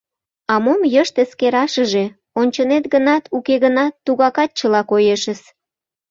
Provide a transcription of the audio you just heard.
— А мом йышт эскерашыже, ончынет гынат, уке гынат — тугакат чыла коешыс.